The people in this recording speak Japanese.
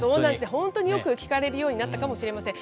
本当によく聞かれるようになったかもしれません。